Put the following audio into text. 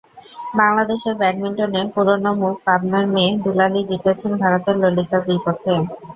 বাংলাদেশের ব্যাডমিন্টনে পুরোনো মুখ পাবনার মেয়ে দুলালী জিতেছেন ভারতের ললিতার বিপক্ষে।